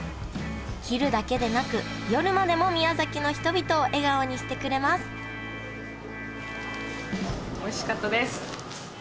昼だけでなく夜までも宮崎の人々を笑顔にしてくれますおいしかったです。